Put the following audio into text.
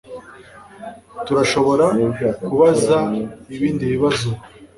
Turashobora kubaza ibindi bibazo ubu